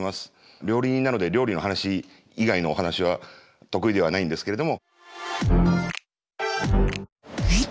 料理人なので料理の話以外のお話は得意ではないんですけれども。